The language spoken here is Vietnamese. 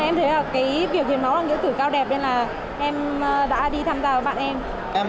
em thấy việc hiến máu là nghĩa tử cao đẹp nên là em đã đi tham gia với bạn em